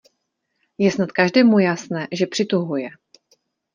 Je snad každému jasné, že přituhuje.